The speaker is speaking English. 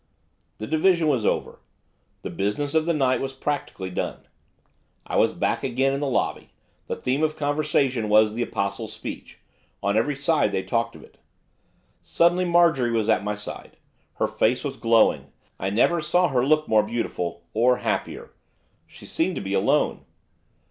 The division was over. The business of the night was practically done. I was back again in the lobby! The theme of conversation was the Apostle's speech, on every side they talked of it. Suddenly Marjorie was at my side. Her face was glowing. I never saw her look more beautiful, or happier. She seemed to be alone.